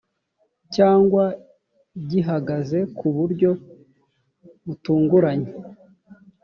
cyangwa gihagaze ku buryo butunguranye